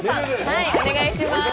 はいお願いします。